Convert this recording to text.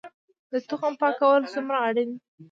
د تخم پاکول څومره اړین دي؟